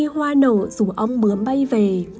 hoa nổ dù ông bướm bay về